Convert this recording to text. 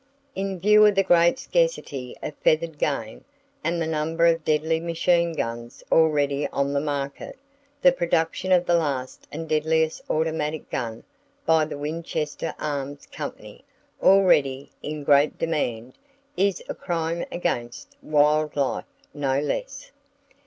In view of the great scarcity of feathered game, and the number of deadly machine guns already on the market, the production of the last and deadliest automatic gun (by the Winchester Arms Company), already in great demand, is a crime against wild life, no less.